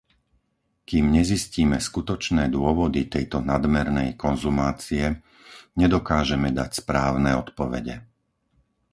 Kým nezistíme skutočné dôvody tejto nadmernej konzumácie, nedokážeme dať správne odpovede.